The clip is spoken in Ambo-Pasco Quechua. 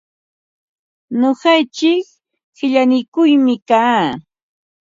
Nuqaichik qillaniyuqmi kaa.